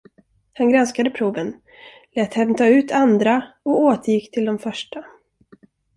Han granskade proven, lät hämta ut andra och återgick till de första.